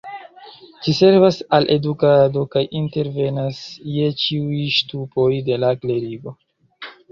Ĝi servas al edukado kaj intervenas je ĉiuj ŝtupoj de la klerigo.